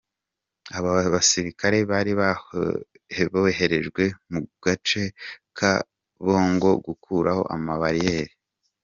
Abo basirikare bari boherejwe mu gace ka Gobongo gukuraho amabariyeri.